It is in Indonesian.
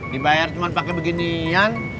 dibayar cuma pake beginian